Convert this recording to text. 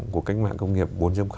một cách mạng công nghiệp bốn